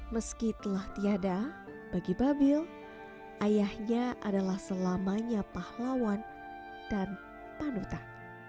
meski telah tiada bagi babil ayahnya adalah selamanya pahlawan dan panutan